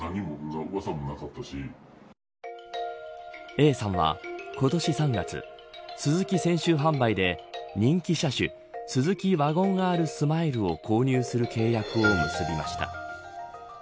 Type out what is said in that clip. Ａさんは今年３月スズキ泉州販売で人気車種スズキワゴンＲスマイルを購入する契約を結びました。